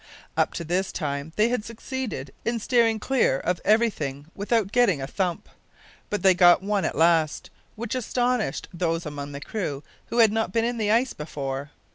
Up to this time they had succeeded in steering clear of everything without getting a thump; but they got one at last, which astonished those among the crew who had not been in the ice before.